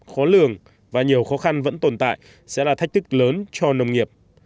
khó lường và nhiều khó khăn vẫn tồn tại sẽ là thách thức lớn cho nông nghiệp